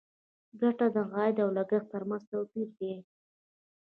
ګټه د عاید او لګښت تر منځ توپیر دی.